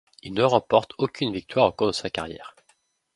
Il ne remporte aucune victoire au cours de sa carrière.